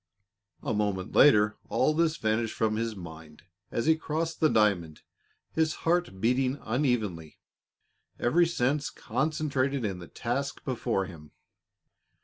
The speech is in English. A moment later all this vanished from his mind as he crossed the diamond, his heart beating unevenly, every sense concentrated in the task before him.